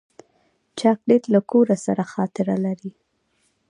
چاکلېټ له کور سره خاطره لري.